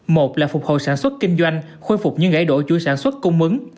một là phục hồi sản xuất kinh doanh khôi phục những gãy đổ chuối sản xuất cung mứng